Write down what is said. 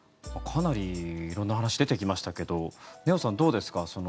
かなり色んな話出てきましたけどねおさん、どうですか。